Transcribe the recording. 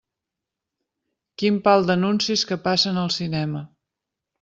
Quin pal d'anuncis que passen al cinema!